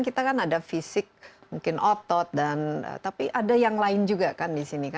kita kan ada fisik mungkin otot dan tapi ada yang lain juga kan di sini